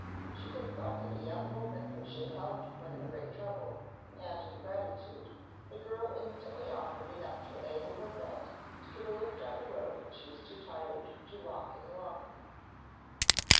She consulted a young woman whom she had helped when in great trouble, and in gratitude, the girl instantly offered enough to enable her friend to get a lift on the road when she was too tired to walk any longer.